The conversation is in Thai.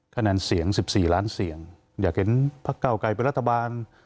คะแนนเสียง๑๔ล้านเสียงอยากเห็นพักเก้าไกรเป็นรัฐบาล